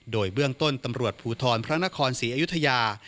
โดยเบื้องต้นตำรวจภูทรพระนครศรีอยุธยา